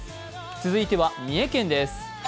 続いては三重県です。